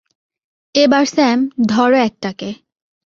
এবার স্যাম, ধরো একটাকে!